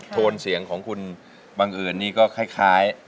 โทนเสียงของคุณบังเอิญนี่ก็คล้าย